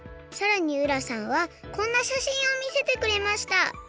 さらに浦さんはこんなしゃしんをみせてくれました